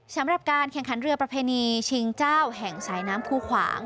สำหรับการแข่งขันเรือประเพณีชิงเจ้าแห่งสายน้ำภูขวาง